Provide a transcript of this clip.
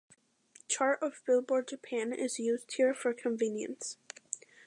Chart of Billboard Japan is used here for convenience.